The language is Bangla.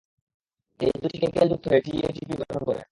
এই দুটি কেমিকেল যুক্ত হয়ে টিএটিপি গঠন করে।